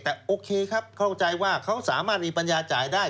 แต่โอเคครับเข้าใจว่าเขาสามารถมีปัญญาจ่ายได้